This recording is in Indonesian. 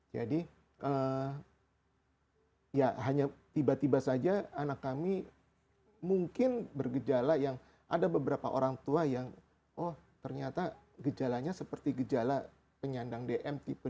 jadi ya hanya tiba tiba saja anak kami mungkin bergejala yang ada beberapa orang tua yang oh ternyata gejalanya seperti gejala penyandang dm tipe dua